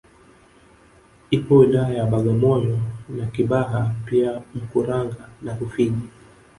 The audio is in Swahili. Ipo wilaya ya Bagamoyo na Kibaha pia Mkuranga na Rufiji